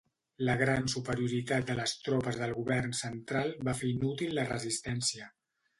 La gran superioritat de les tropes del govern central va fer inútil la resistència.